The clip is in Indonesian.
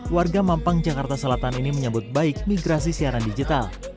warga mampang jakarta selatan ini menyambut baik migrasi siaran digital